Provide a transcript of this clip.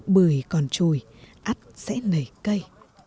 bởi còn trôi ắt sẽ nảy cây